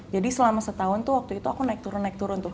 selama setahun tuh waktu itu aku naik turun naik turun tuh